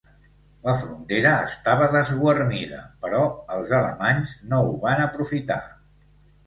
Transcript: La frontera estava desguarnida però els alemanys no ho van aprofitar.